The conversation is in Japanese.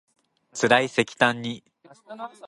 つらいせきたんに